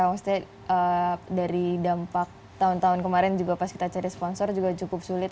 maksudnya dari dampak tahun tahun kemarin juga pas kita cari sponsor juga cukup sulit